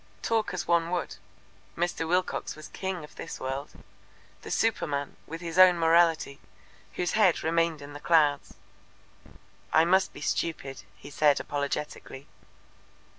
Talk as one would, Mr. Wilcox was king of this world, the superman, with his own morality, whose head remained in the clouds. "I must be stupid," he said apologetically.